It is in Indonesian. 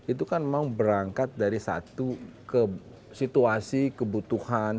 itu kan memang berangkat dari satu situasi kebutuhan